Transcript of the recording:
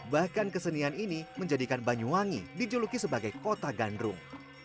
bahkan kesenian ini menjadikan banyuwangi dijuluki sebagai kota gandrung